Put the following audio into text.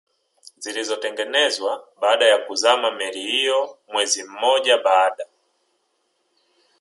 zilizotengenezwa baada ya kuzama meli hiyo mwezi mmoja baada